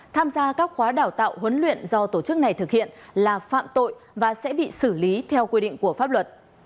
tham gia các khóa đào tạo huấn luyện do tổ chức này thực hiện là phạm tội và sẽ bị xử lý theo quy định của pháp luật